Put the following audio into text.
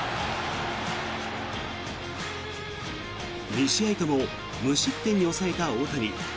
２試合とも無失点に抑えた大谷。